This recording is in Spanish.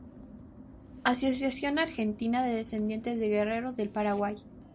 Asociación argentina de descendientes de guerreros del Paraguay